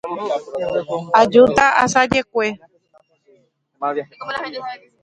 Ajúta asajekue.